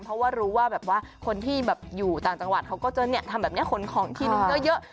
เพราะว่ารู้ว่าแบบว่าคนที่อยู่ต่างจังหวัดเขาก็จะทำแบบนี้ขนของที่นึงเยอะ